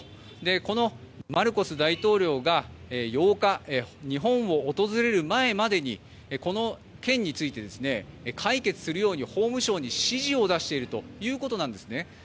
このマルコス大統領が８日、日本を訪れる前までにこの件について解決するように法務相に指示を出しているということです。